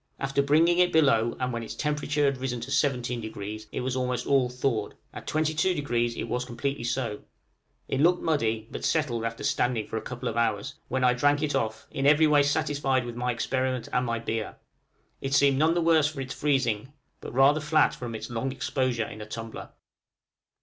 After bringing it below, and when its temperature had risen to 17°, it was almost all thawed at 22° it was completely so: it looked muddy, but settled after standing for a couple of hours, when I drank it off, in every way satisfied with my experiment and my beer: it seemed none the worse for its freezing, but rather flat from its long exposure in a tumbler.